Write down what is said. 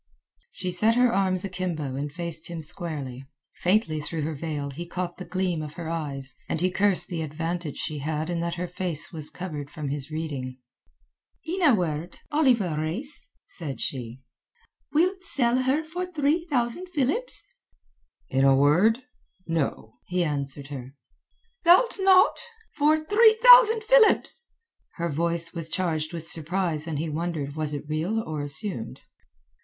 She set her arms akimbo and faced him squarely. Faintly through her veil he caught the gleam of her eyes, and he cursed the advantage she had in that her face was covered from his reading. "In a word, Oliver Reis," said she, "wilt sell her for three thousand philips?" "In a word—no," he answered her. "Thou'lt not? Not for three thousand philips?" Her voice was charged with surprise, and he wondered was it real or assumed.